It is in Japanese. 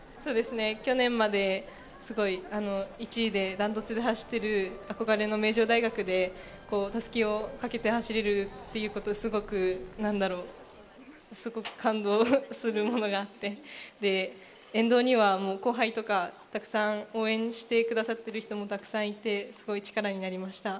去年まですごい１位でダントツで走っている憧れの名城大学で襷をかけて走れるということはすごく感動するものがあって、沿道には後輩とか、たくさん応援してくださってる人もたくさんいて、すごい力になりました。